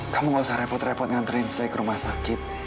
kamu gak usah repot repot nganterin saya ke rumah sakit